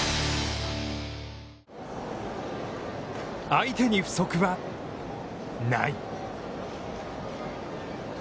相手に不足はない。